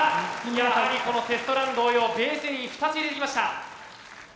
やはりこのテストラン同様ベースに２つ入れてきました。